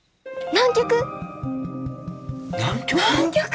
南極？